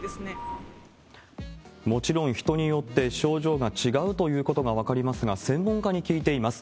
もちろん、人によって症状が違うということが分かりますが、専門家に聞いています。